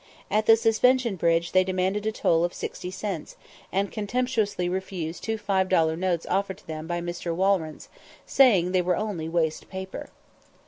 At the Suspension Bridge they demanded a toll of sixty cents, and contemptuously refused two five dollar notes offered them by Mr. Walrence, saying they were only waste paper.